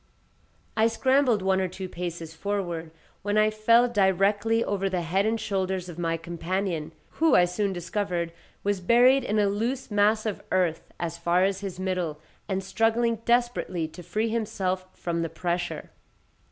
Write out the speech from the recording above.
I scrambled one or two paces forward, when I fell directly over the head and shoulders of my companion, who, I soon discovered, was buried in a loose mass of earth as far as his middle, and struggling desperately to free himself from the pressure.